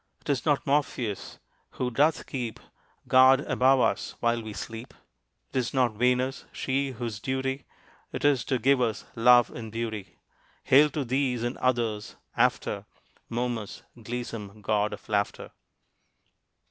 'Tis not Morpheus, who doth keep Guard above us while we sleep, 'Tis not Venus, she whose duty 'Tis to give us love and beauty; Hail to these, and others, after Momus, gleesome god of laughter.